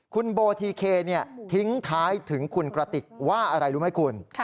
คุณโบทีเคทิ้งท้ายถึงคุณกระติกว่าอะไรรู้ไหมคุณ